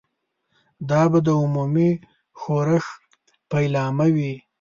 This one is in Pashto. دا به د عمومي ښورښ پیلامه وي.